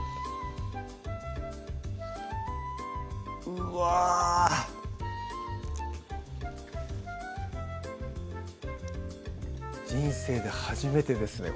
うわぁ人生で初めてですね